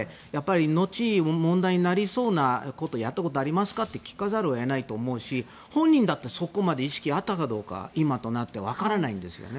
後々問題になりそうなことをやったことありますかって聞かざるを得ないし本人だってそこまで意識があったかどうか今となっては分からないんですよね。